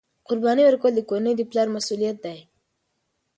قرباني ورکول د کورنۍ د پلار مسؤلیت دی.